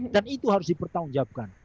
dan itu harus dipertanggungjawabkan